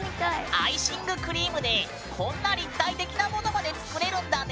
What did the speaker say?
アイシングクリームでこんな立体的なものまで作れるんだね。